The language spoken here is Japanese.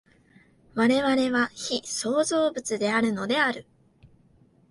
我々は被創造物であるのである。